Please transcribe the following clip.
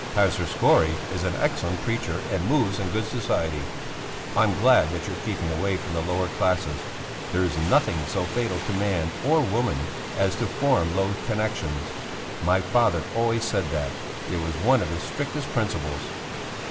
"Pastor Skore is an excellent preacher and moves in good society. I'm glad that you're keeping away from the lower classes. There's nothing so fatal to man or woman as to form low connexions. My father always said that; it was one of his strictest principles."